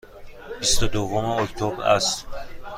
بیست و دوم اکتبر است.